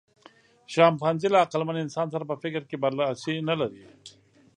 شامپانزي له عقلمن انسان سره په فکر کې برلاسی نهلري.